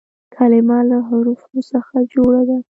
کلیمه له حروفو څخه جوړه ده.